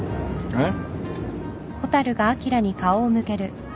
えっ？